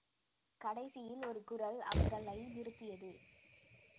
கடைசியில் ஒரு குரல் அவர்களை நிறுத்தியது.